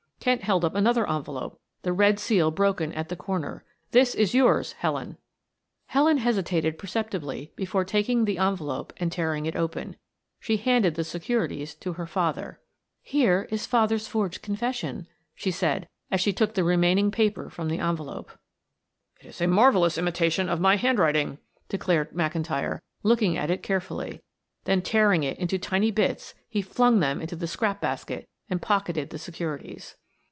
Kent held up another envelope, the red seal broken at the corner. "This is yours, Helen." Helen hesitated perceptibly before taking the envelope and tearing it open. She handed the securities to her father. "Here is father's forged confession," she said as she took the remaining paper from the envelope. "It is a marvelous imitation of my handwriting," declared McIntyre, looking at it carefully, then tearing it into tiny bits he flung them into the scrap basket and pocketed the securities.